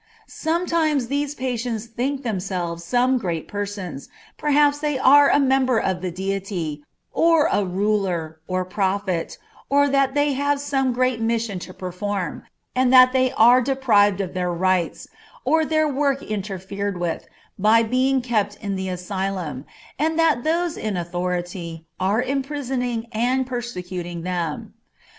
Sometimes these patients think themselves some great persons, perhaps that they are a member of the Deity, or a ruler, or prophet, or that they have some great mission to perform, and that they are deprived of their rights, or their work interfered with, by being kept in the asylum, and that those in authority are imprisoning and persecuting them.